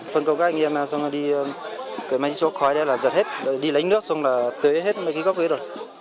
phân cầu các anh em đi mấy chỗ khói ra là giật hết đi lấy nước xong là tưới hết mấy gốc cây rồi